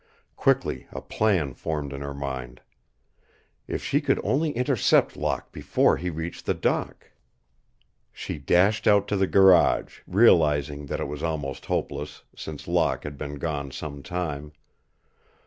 Quickly a plan formed in her mind. If she could only intercept Locke before he reached the dock! She dashed out to the garage, realizing that it was almost hopeless, since Locke had been gone some time.